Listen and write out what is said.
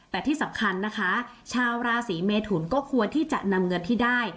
แต่ที่สำคัญนะคะชาวราศีเมทุนก็ควรที่จะนำเงินที่ได้